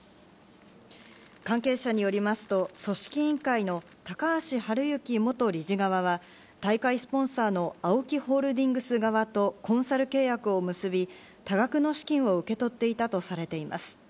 関係者によりますと、組織委員会の高橋治之元理事側は大会スポンサーのＡＯＫＩホールディングスがコンサル契約を結び、多額の資金を受け取っていたとされています。